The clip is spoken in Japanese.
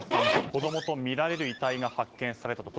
子供とみられる遺体が発見されたと。